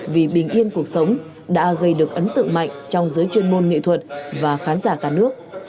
vì bình yên cuộc sống đã gây được ấn tượng mạnh trong giới chuyên môn nghệ thuật và khán giả cả nước